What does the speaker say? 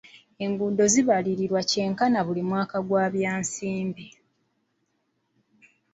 Enguudo zibalirirwa kyenkana buli mwaka gw'ebyensimbi.